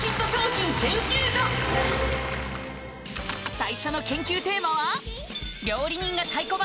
最初の研究テーマは？